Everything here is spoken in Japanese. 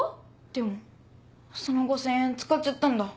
でもその５０００円使っちゃったんだ。